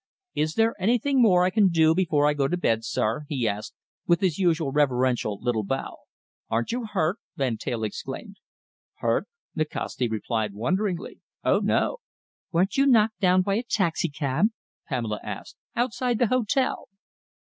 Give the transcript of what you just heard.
"Is there anything more I can do before I go to bed, sir?" he asked, with his usual reverential little bow. "Aren't you hurt?" Van Teyl exclaimed. "Hurt?" Nikasti replied wonderingly. "Oh, no!" "Weren't you knocked down by a taxicab," Pamela asked, "outside the hotel?"